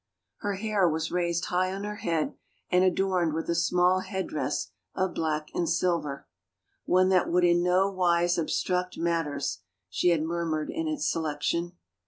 Her hair was raised high on her head, and adorned with a small headdress of black and silver — one that would in no wise obstruct matters, she had murmured in its selection.